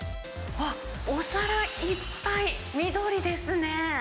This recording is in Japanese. お皿いっぱい緑ですね。